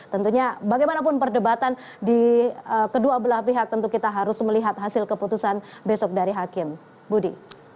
tentunya bagaimanapun perdebatan di kedua belah pihak tentu kita harus melihat hasil keputusan besok dari hakim budi